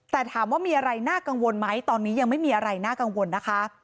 แต่ถามว่ามีอะไรน่ากังวลไหมตอนนี้ยังไม่มีอะไรน่ากังวลนะคะ